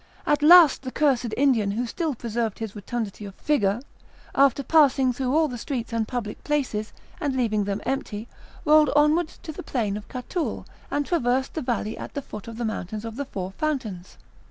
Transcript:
At last the cursed Indian, who still preserved his rotundity of figure, after passing through all the streets and public places, and leaving them empty, rolled onwards to the plain of Catoul, and traversed the valley at the foot of the mountain of the Four Fountains.